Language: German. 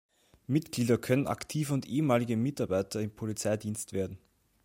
Mitglieder können aktive und ehemalige Mitarbeiter im Polizeidienst werden.